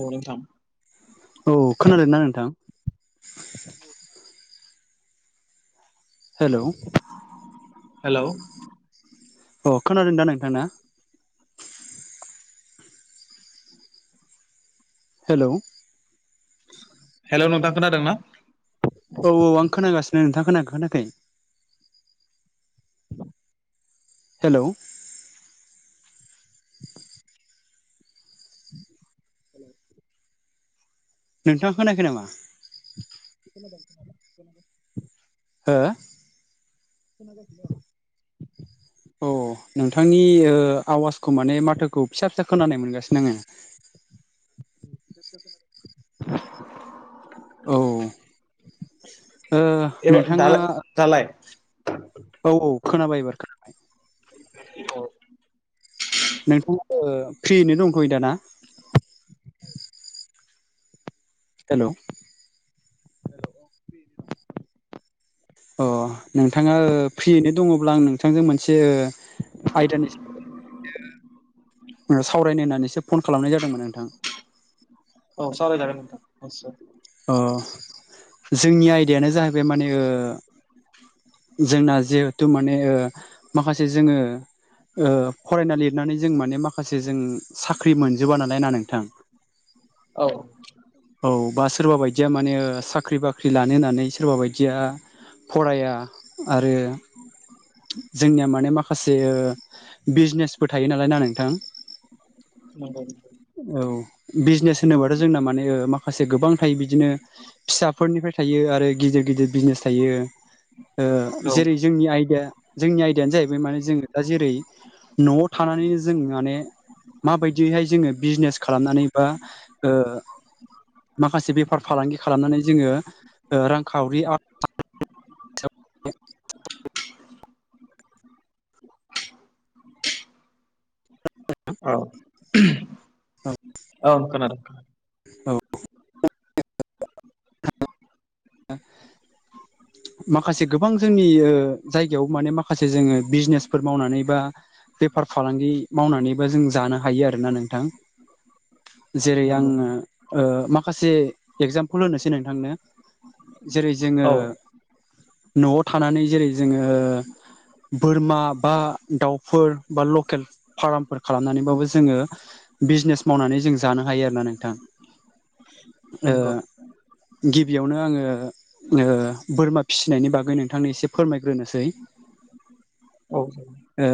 औ नोंथां औ खोनादों ना नोंथां? हेलौ हेलौ अ खोनादों दा नोंथां ना? हेलौ! हेलौ नोंथां खोनादोंना? औ-औ आं खोनागासिनो नोंथाङा खोनायाखै-खोनायाखै? हेलौ! नोंथाङा खोनायाखै नामा? खोनादों। हो? खोनागासिनो। औ नोंथांनि आवाजखौ माने माथोखौ फिसा फिसा खोनानाय मोनगासिनो आङो। बे औ ओ एबार नोंथाङा, दालाय दालाय औ औ खोनाबाय एबार खोना औ [unintelligible] फ्रियैनो दंथ'यो दाना? हेलौ अ नोंथाङा फ्रियैनो दङब्ला आं नोंथांजों मोनसे आयदानि सावरायनो होन्नानैसो फन खालामनाय जादोंमोन नोंथां, औ सावरायजागोन नोंथां। अ जोंनि आयदायानो जाहैबाय माने ओ। जोंना जिहेतु माने ओ माखासे जोङो। ओ फरायना लिरनानै जों माने माखासे जों साख्रि मोनजोबा नालाय ना नोंथां? औ। औ बा सोरबा बायदिया माने साख्रि-बाख्रि लानो होननानै सोरबा बायदिया। फराया आरो। उ जोंनिया माने माखासे ओ बिजनेसफोर थायो नालाय ना नोंथां? नंगौ-नंगौ। औ बिजनेस होनोबाथ' जोंना माने माखासे गोबां थायो बिदिनो। फिसाफोरनिफ्राय थायो आरो गिदिर-गिदिर बिजनेस थायो ओ औ जेरै जोंनि आयदा। जोंनि आयदायानो जाहैबाय माने जोङो दा जेरै न'आव थानानैनो जों माने। माबायदिहाय जोङो बिजनेस खालामनानै बा ओ। माखासे बेफार फालांगि खालामनानै जोङो ओ रांखावरि। औ औ-औ खोनादों। औ। [inaudible] माखासे गोबां जोंनि ओ जायगायाव माने माखासे जोङो बिजनेसफोर मावनानै बा। बेफार फालांगि मावनानैबो जों जानो हायो आरोना नोंथां। जेरै नंगौ आङो ओ माखासे एगजामपोल होनोसै नोंथांनो। जेरै जोङो औ न'आव थानानै जेरै जोङो ओ। बोरमा बा दाउफोर बा लकेल फारामफोर खालामनानैबाबो जोङो। बिजनेस मावनानै जों जानो हायो आरो ना नोंथां। ओ नंगौ गिबियाव। बेयावनो आङो ओ बोरमा फिसिनायनि बागै नोंथांनो एसे फोरमायग्रोनोसै। [inaudible] औ जायो। ओ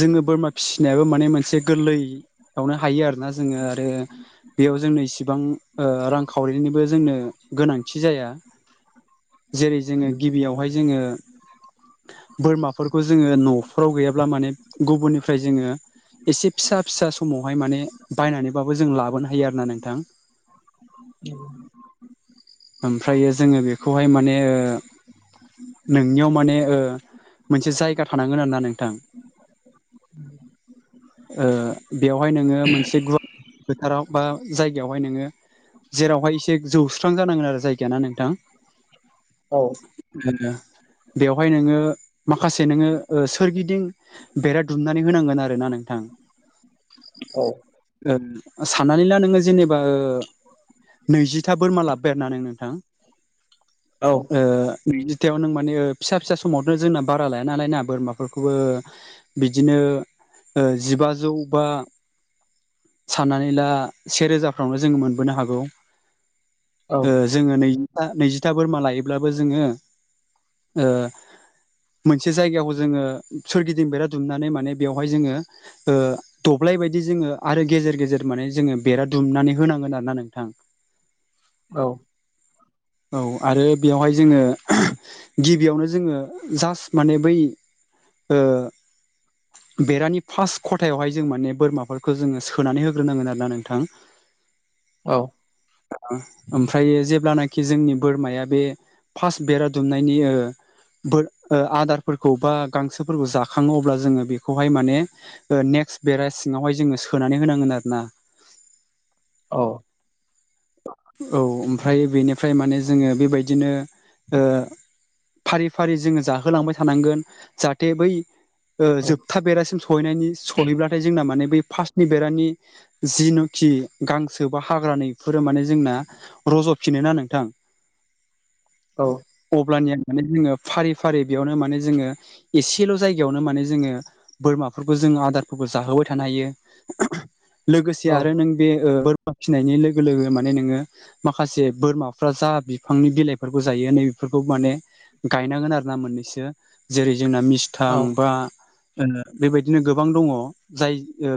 जोङो बोरमा फिसिनायाबो माने मोनसे गोरलैयावनो हायो आरोना जोङो आरो। बेयाव जोंनो इसिबां ओ रांखावरिनिबो जोंनो गोनांथि जाया। जेरै जोङो नंगौ गिबियावहाय जोङो। बोरमाफोरखौ जोङो न'फ्राव गैयाब्ला माने गुबुननिफ्राय जोङो। एसे फिसा फिसा समावहाय माने बायनानैबाबो जों लाबोनो हायो आरो ना नोंथां। औ। ओमफ्रायो जोङो बेखौहाय माने नोंनियाव माने ओ मोनसे जायगा थानांगोन आरो ना नोंथां। ओ बेवहाय नोङो मोनसे गुवार फोथाराव बा जायगायावहाय नोङो जेरावहाय एसे जौस्रां जानांगोन आरो जायगाया ना नोंथां। औ बेवहाय नोङो माखासे नोङो ओ सोरगिदिं बेरा दुमनानै होनांगोन आरो ना नोंथां। औ ओ साननानै ला नोङो जेनेबा नैजिथा बोरमा लाब। बेरनानै नोंथां। औ। ओ नैजिथियावनो माने फिसा-फिसा समावथ' जोंना बारा लाया नालाय ना बोरमाफोरखौबो ओ। बिदिनो ओ जिबाजौ बा। साननानै ला से रोजाफ्रावनो जों मोनबोनो हागौ। औ ओ जोङो नैजिथा नैजिथा बोरमा लायोब्लाबो जोङो ओ मोनसे जायगायावखौ जोङो सोरगिदिं बेरा दुमनानै माने बेवहाय जोङो ओ दब्लाय बायदि जोङो आरो गेजेर गेजेर माने जोङो बेरा दुमनानै होनांगोन आरो ना नोंथां। औ। औ आरो बेयावहाय जोङो गिबियावनो जोङो जास्ट माने बै ओ बेरानि फार्स्ट खथायावहाय जों माने बोरमाफोरखौ जोङो सोनानै होग्रोनांगोन आरो ना नोंथां। औ। ओमफ्राय जेब्लानाखि जोंनि बोरमाया बे फार्स्ट बेरा दुमनायनि ओ बो ओ आदारफोरखौबा गांसोफोरखौ जाखाङो अब्ला जोङो बेखौहाय माने ओ नेकस्ट बेरा सिङावहाय जोङो सोनानै होनांगोन आरो ना। औ औ ओमफ्राय बेनिफ्राय माने जोङो बेबायदिनो ओ फारि फारि जोङो जाहोलांबाय थानांगोन जाहाथे बै ओ औ जोबथा बेरासिम स सहैनायनि सहैब्लाथाय जोंना माने बै फार्स्टनि बेरानि जिनोखि गांसो बा हाग्रानि फोर माने जोंना रज'फिनो नोंथां अब्लानिया माने जोङो फारि फारि बेयावनो माने जोङो एसेल' जायगायावनो माने जोङो बोरमाफोरखौ जों आदारबो जाहोबाय थानो हायो। लोगोसे आरो औ नों बे ओ बोरमा फिनायनि लोगो लोगो माने माने नोङो माखासे बोरमाफ्रा जा बिफांनि बिलाइफोरखौ जायो नै बेफोरखौ माने गायनांगोन आरो ना मोननैसो जेरै जोंना मिस थां औ बा बेबायदिनो गोबां दङ जाय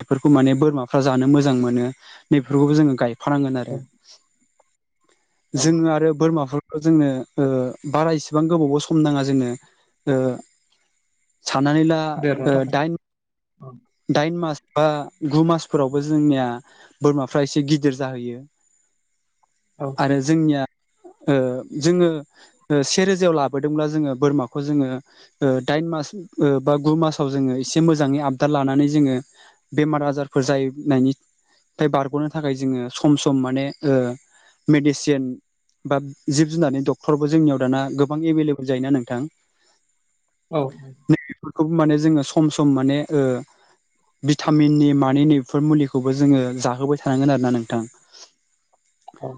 बेफोरखौ माने बोरमाफ्रा जानो मोजां मोनो नैफोरखौबो जोङो गायफानांगोन आरो। औ जों आरो बोरमाफोर जोंनो ओ बारा इसिबां गोबावबो सम नाङा जोंनो ओ साननानै ला ओ दाइन [unintelligible] दाइन मास बा गु मासफोरावबो जोंनिया बोरमाफ्रा एसे गिदिर जाहैयो। [inaudible] औ। बे जोंनिया ओ जोङो से रोजायाव लाबोदोंब्ला जोङो बोरमाखौ जोङो। ओ दाइन मास ओ बा गु मासाव जोङो एसे मोजाङै आ दा लानानै जोङो बेमार आजारफोर जानायनि बे बारग'नो थाखाय जोङो सम-सम माने ओ मेडिसिन। बा जिब जुनार डक्टरबो जोंनियाव दाना गोबां एभेलेबेल जायोना नोंथां। औ-औ। नै बेफोरखौ माने जोङो सम-सम माने ओ भिटामिननि माने नैफोर मुलिखौबो जोङो जाहोबाय थानांगोन आरो ना नोंथां। [inaudible] [unintelligible] औ।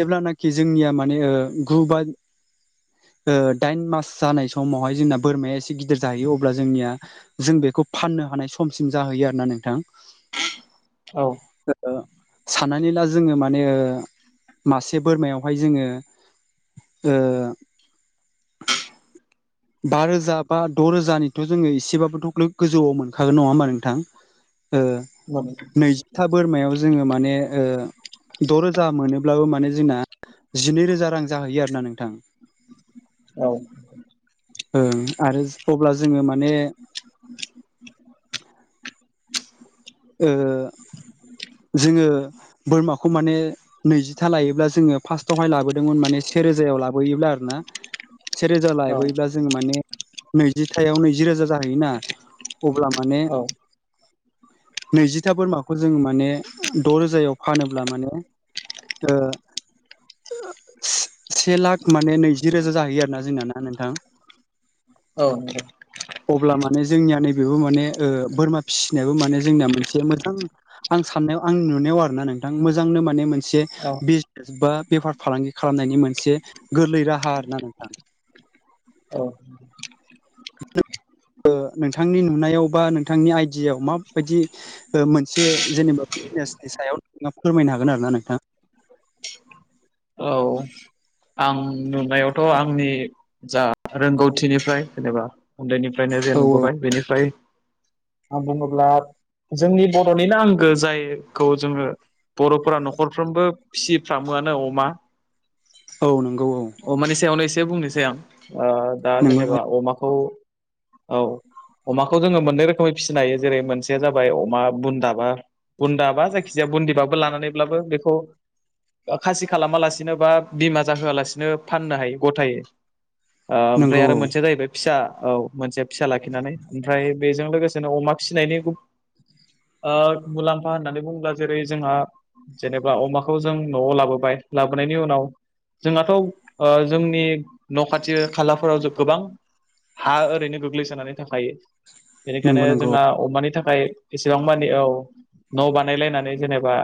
जेब्लानाखि जोंनिया माने ओ गु बा ओ दाइन मास जानाय। समावहाय जोंना बोरमाया एसे गिदिर जाहैयो अब्ला जोंनिया जों बेखौ। फाननो हानाय समसिम जाहैयो आरोना नोंथां। औ। साननानै ला जोङो माने मासे बोरमायावहाय जोङो ओ बा रोजा बा द' रोजानिथ' जोङो एसेबाबोथ' गोजौआव मोनखागोन नङा होमबा नोंथां। ओ [unintelligible] नैजिथा बोरमायाव जोङो माने ओ द' रोजा मोनोब्लाबो माने जोंना जिनै रोजा रां जाहैयो आरो ना नोंथां। औ ओ आरो अब्ला जोङो माने ओ जोङो बोरमाखौ माने नैजिथा लायोब्ला जोङो फार्स्टआवहाय लाबोदोंमोन माने सेेरोजायाव लाबोयोब्ला आरो ना सेेरोजा लायबोयोब्ला जोङो माने नैजिथायाव नैजि रोजा जाहैयोना अब्ला माने नैजिथा बोरमाखौ जों माने द' रोजायाव फानोब्ला माने ओ से लाख माने नैजि रोजा जाहैयो आरो ना जोंना नोंथां? [inaudible] [unintelligible] औ अब्ला माने जोंनिया नैबेबो माने ओ बोरमा फिसिनायाबो माने जोंनिना मोनसे मोजां आं साननायाव आंनि नुनायाव आरोना नोंथां मोजांनो माने मोनसे बा बेफार फालांगि खालामनायनि मोनसे गोरलै राहा आरोना नोंथां। औ नोंथांनि नुनायाव बा नोंथांनि आइडियायाव माबायदि ओ मोनसे जेनेबा फिटनेसनि सायाव नोंथाङा फोरमायनो हागोन आरो ना नोंथाङा। औ आं नुनायावथ' आंनि जा रोंगौथिनिफ्राय जेनेबा उन्दैनिफ्रायनो जे औ नुबोबाय बेनिफ्राय आं बुङोब्ला जोंनि बर'निनो आंगो जायखौ जोङो बर'फोरा न'खरफ्रोमबो फिसिफ्रामोआनो अमा औ नंगौ औ अमानि सायावनो एसे बुंनोसै आं ओ दा नंगौ औ जेनेबा अमाखौ औ अमाखौ जोङो मोननै रोखोमै फिसिनो हायो जेरै मोनसेया जाबाय अमा बुन्दाबा बुन्दा बा जायखिजाया बुन्दिबाबो लानानैब्लाबो बेखौ खासि खालामालासि बिनो बा बिमा जाहोआलासिनो फाननो हायो गथाय ओमफ्राय नंगौ आरो औ मोनसेया जाहैबाय। फिसा औ मोनसे फिसा लाखिनानै ओमफ्राय बेजों लोगोसेनो अमा फिनायनि ओ मुलाम्फा होननानै बुङोब्ला जेरै जोंहा जेनेबा अमाखौ जों न'आव लाबोबाय लाबो लााबोनि उनाव जोंहाथ' ओ जोंनि न' खाथि खालाफोराव गोबां हा ओरैनो गोग्लैसानानै थाखायो बेनिखायनो नंगौ नंगौ जोंना अमानि थाखाय एसेबां मानि औ न' बानायलायनानै जेनेबा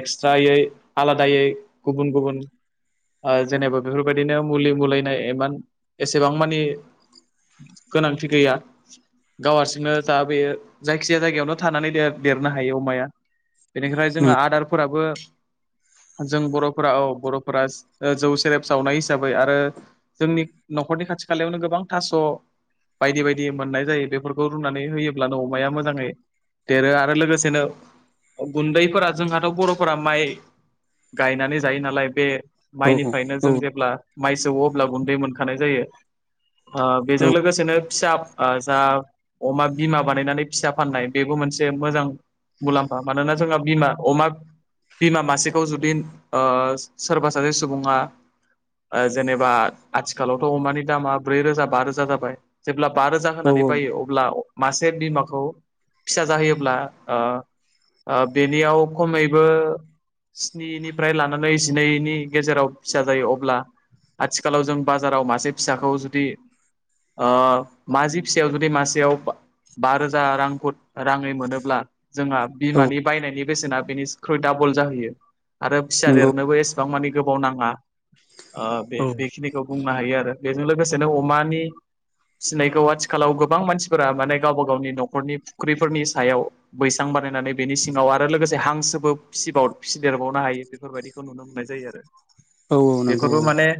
एक्सट्रायै आलादायै गुबुन गुबुन जेनेबा बेफोरबायदिनो मुलि मलायनाय इमान एसेबां मानि गोनांथि गैया गावारसिंनो दा बेयो जायखिजाया जायगायावनो थानानै देरनो हायो अमाया बेनिफ्राय जोंहा औ आदारफोराबो जों बर' औ बर'फोरा जौ सेरेब सावनाय हिसाबै आरो जोंनि न'खरनि खाथि खालायावनो गोबां थास' बायदि बायदि मोननाय जायो बेफोरखौ रुनानै होयोब्लानो अमाया मोजाङै देरो आरो लोगोसेनो गुन्दैफोरा जोंहाथ' बर'फोरा माइ गायनानै जायो नालाय बे औ माइनिफ्रायनो औ जों जेब्ला माइ सो अब्ला गुन्दै मोनखानाय जायो। ओ औ बेजों लोगोसेनो फिसा ओ जा अमा बिमा बानायनानै फिसा फाननाय बेबो मोनसे मोजां मुलाम्फा मानोना जोंहा बिमा अमा बिमा मासेखौ जुदि ओ सोरबा सासे सुबुङा ओ जेनेबा आथिखालावथ' अमानि दामा ब्रै रोजा बा रोजा जाबाय। जेब्ला बा रोजा होनानै बायो अब्ला मासे बिमाखौ फिसा जाहोयोब्ला ओ ओ बेनियाव खमैबो स्निनि ओमफ्राय लानानै जिनैनि गेजेराव फिसा जायो अब्ला आथिखालाव जों बाजाराव मासे फिसाखौ जुदि मााज फिसायाव जुदि मासेयाव बा रोजा रांखौ राङै मोनोब्ला जोंहा औ बिमानि बायनायनि बेसेना बेनिख्रुइ डाबल जाहैयो आरो फिसा नंगौ देरनोबो एसेबां मानि गोबाव नाङा बे औ बेखिनिखौ बुंनो हायो आरो बेजों लोगोसेनो अमानि सिनायखौ आथिखालाव गोबां मानसिफोरा माने गावबा गावनि न'खरनि फुख्रिफोरनि सायाव बैसां बानायनानै बेनि सिङाव आरो लोगोसे हांसोबो फिसिबाव फिसिदेरबाव नो हायो बेफोरबायदिखौ नुनो मोननाय जायो आरो औ औ नंगौ बेफोरबो माने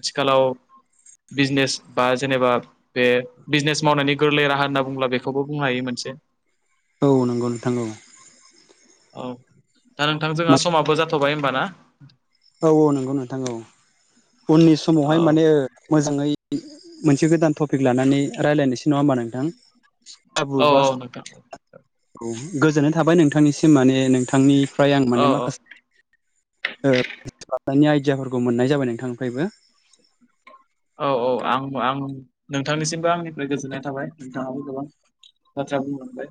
आथिखालाव बिजनेस बा जेनेबा बे बिजनेस मावनायनि गोरलै राहा होनना बुंब्ला बेखौबो बुंनो हायो मोनसे औ नंगौ नोंथां औ। औ दा नोंथां जोंहा समाबो जाथ'बाय होमबा ना? औ औ नंगौ नोंथां औ उननि औ समावहाय माने मोजाङै मोनसे गोदान टपिक लानानै रायज्लायनोसै नङा होमबा नोंथां? खाबु औ बा नोंथां औ गोजोननाय थाबाय नोंथांनिसिम माने नोंथांनि फ्राय आं मान औ माखासे खालामनि आइडियाफोरखौ मोननाय जाबाय नोंथांनिफ्रायबो औ औ आं आं नोंथांनिसिमबो आंनिफ्राय गोजोननाय थाबाय नोंथाङाबो गोबां आतसा बुं मोनबाय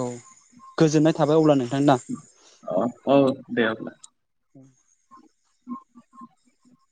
औ गोजोननाय थाबाय अब्ला नोंथां दा। अ औ दे अब्ला। [inaudible]